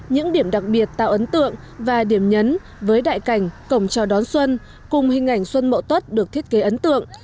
những điểm đặc biệt tạo ấn tượng và điểm nhấn với đại cảnh cổng chào đón xuân cùng hình ảnh xuân mậu tuất được thiết kế ấn tượng